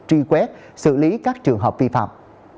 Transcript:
tri quét xử lý các trường hợp vi phạm